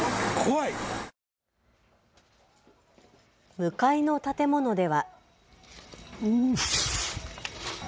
向かいの建物では。